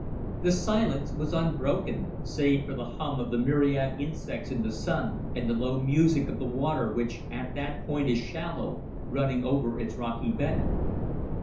The silence was unbroken, save for the hum of the myriad insects in the sun, and the low music of the water which at that point is shallow, running over its rocky bed.